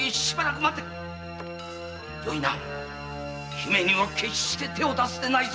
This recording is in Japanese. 姫には決して手を出すでないぞ。